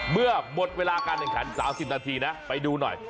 เมื่อหมดเวลาการแข่งขัน๓๐นาทีนะไปดูหน่อย